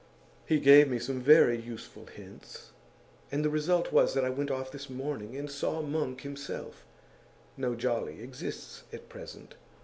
He gave me some very useful hints, and the result was that I went off this morning and saw Monk himself no Jolly exists at present.